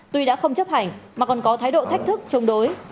tuy đã không chấp hành mà còn có thái độ thách thức chống đối